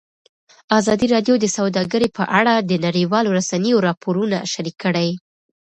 ازادي راډیو د سوداګري په اړه د نړیوالو رسنیو راپورونه شریک کړي.